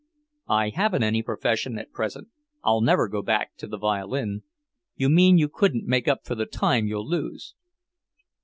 "I haven't any profession at present. I'll never go back to the violin." "You mean you couldn't make up for the time you'll lose?"